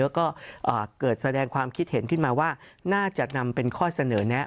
แล้วก็เกิดแสดงความคิดเห็นขึ้นมาว่าน่าจะนำเป็นข้อเสนอแนะ